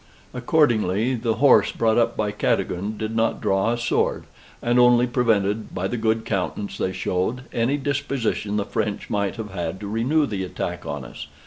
Accordingly, the horse brought up by Cadogan did not draw a sword; and only prevented, by the good countenance they showed, any disposition the French might have had to renew the attack on us.